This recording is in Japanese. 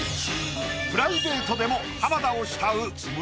プライベートでも浜田を慕う。